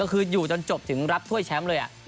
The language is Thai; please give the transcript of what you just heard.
คืออยู่จนจบถึงรับถ้วยแชมป์เลย